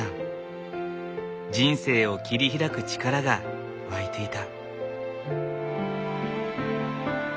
人生を切り開く力が湧いていた。